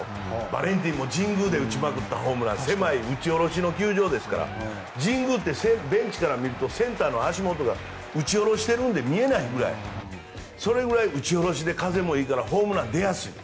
バレンティンも神宮で打ちまくったホームラン狭い打ち下ろしの球場ですから神宮ってベンチから見るとセンターの足元が打ち下ろしているので見えないくらい打ち下ろしで風もいいからホームランが出やすい。